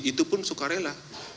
itu pun sukarela